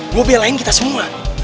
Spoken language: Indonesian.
gue belain kita semua